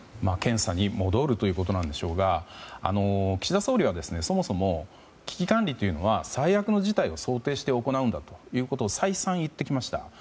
検査に戻るということなんでしょうが岸田総理はそもそも危機管理というのは最悪の事態を想定して行うんだということを再三言ってきました。